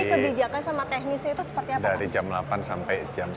ini kebijakan sama teknisnya itu seperti apa pak